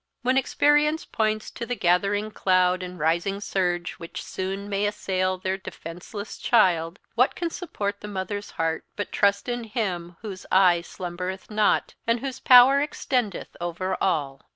When experience points to the gathering cloud and rising surge which soon may assail their defenceless child, what can support the mother's heart but trust in Him whose eye slumbereth not, and whose power extendeth over all?